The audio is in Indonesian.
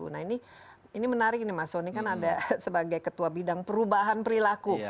nah ini menarik ini mas soni kan ada sebagai ketua bidang perubahan perilaku